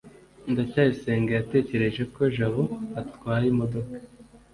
ndacyayisenga yatekereje ko jabo atatwaye imodoka